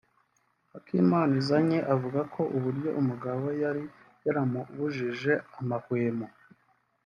Akimanizanye avuga uburyo umugabo we yari yaramubujije amahwemo